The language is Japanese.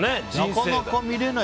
なかなか見れない。